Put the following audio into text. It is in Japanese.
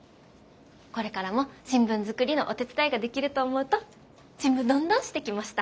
これからも新聞作りのお手伝いができると思うとちむどんどんしてきました！